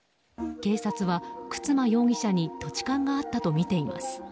警察は、沓間容疑者に土地勘があったとみています。